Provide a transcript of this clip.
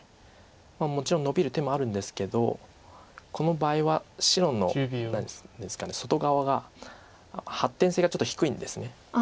もちろんノビる手もあるんですけどこの場合は白の外側が発展性がちょっと低いんです。